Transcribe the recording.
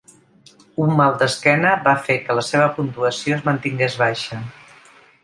Un mal d'esquena va fer que la seva puntuació es mantingués baixa.